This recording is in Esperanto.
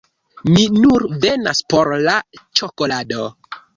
Mi nur venas por la ĉokolado